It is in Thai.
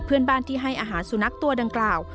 เพื่อนบ้านที่ให้อาหารสุนัขตัวดังกล่าว